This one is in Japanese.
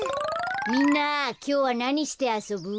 みんなきょうはなにしてあそぶ？